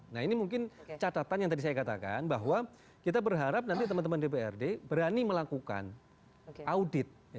nah ini mungkin catatan yang tadi saya katakan bahwa kita berharap nanti teman teman dprd berani melakukan audit